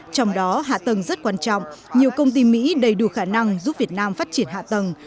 trong đó hạ tầng rất quan trọng nhiều công ty mỹ đầy đủ khả năng giúp việt nam phát triển hạ tầng